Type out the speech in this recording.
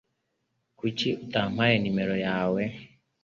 Kuki utampaye numero yawe?